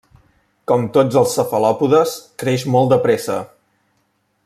Com tots els cefalòpodes creix molt de pressa.